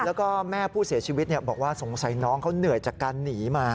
แล้วก็แม่ผู้เสียชีวิตบอกว่าสงสัยน้องเขาเหนื่อยจากการหนีมา